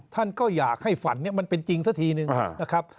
ท่านก็อยากให้ฝันมันเป็นจริงซะทีหนึ่งนะครับ